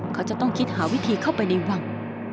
เขาจะต้องคิดหาวิธีเข้าไปในวัง